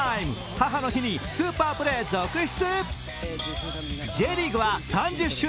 母の日にスーパープレー続出。